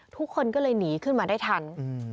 ทุกคนก็เลยหนีขึ้นมาได้ทัน